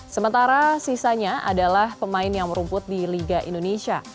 sementara sisanya adalah pemain yang merumput di liga indonesia